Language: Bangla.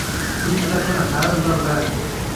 তিনি তৎক্ষণাৎ শাহাদাত বরণ করেন।